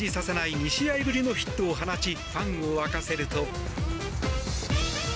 ２試合ぶりのヒットを放ちファンを沸かせると。